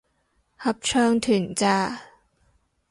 合唱團咋